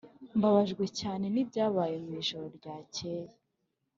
] mbabajwe cyane nibyabaye mu ijoro ryakeye.